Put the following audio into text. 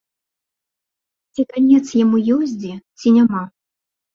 Ці канец яму ёсць дзе, ці няма?